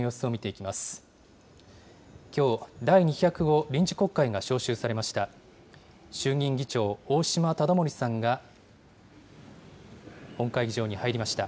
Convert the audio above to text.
きょう、第２０５臨時国会が召集されました。